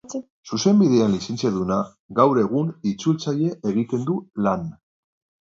Zuzenbidean lizentziaduna, gaur egun itzultzaile egiten du lan.